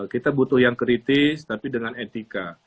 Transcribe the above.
kita butuh yang kritis tapi dengan etika